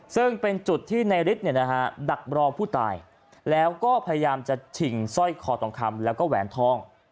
ซึ่งเป็นจุดที่นายฤทธิ์ดักรอผู้ตายแล้วก็พยายามจะชิงสร้อยคอทองคำแล้วก็แหวนทอง